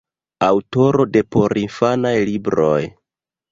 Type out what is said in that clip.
Aŭtoro de porinfanaj libroj.